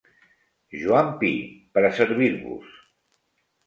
Joan Pi, per a servir-vos.